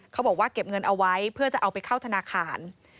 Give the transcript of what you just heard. เขาบอกว่าเก็บเงินเอาไว้เพื่อจะเอาไปเข้าธนาคาร